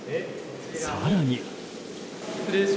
更に。